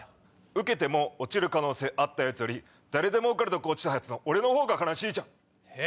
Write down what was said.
受けても落ちる可能性あったやつより誰でも受かるとこ落ちたやつの俺のほうが悲しいじゃん。